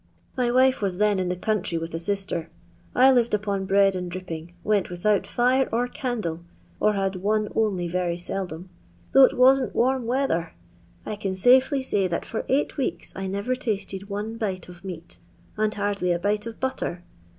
My wife waa then in the country with a sister. I lived upon bread and dripping, went without fire or candle (or had one only rery seldom) though it wasn't warm weather. I can safely say that for eight weeks I never tasted one bite of meat, and hardly a bite of butter.